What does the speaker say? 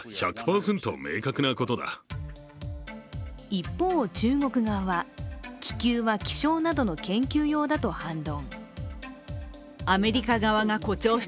一方、中国側は気球は気象などの研究用だと反論。